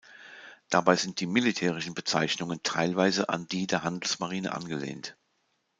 Dabei sind die militärischen Bezeichnungen teilweise an die der Handelsmarine angelehnt.